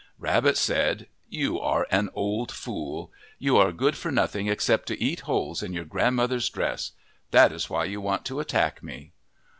Rabbit said, " You are an old fool. You are good for nothing except to eat holes in your grandmother's dress. That is why you want to attack me."